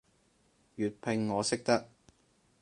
粵拼我識得